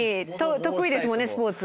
得意ですもんねスポーツ。